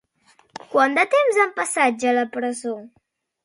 Quant de temps han passat ja a la presó?